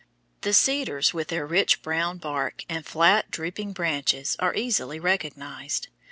The cedars, with their rich brown bark and flat, drooping branches, are easily recognized.